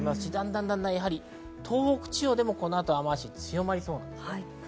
だんだん東北地方でもこの後、雨脚強まりそうです。